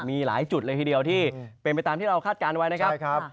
มีหลายจุดเลยทีเดียวที่เป็นไปตามที่เราคาดการณ์ไว้นะครับ